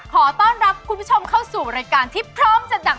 ขอต้อนรับคุณผู้ชมเข้าสู่รายการที่พร้อมจัดหนัก